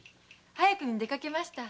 早くに出かけました。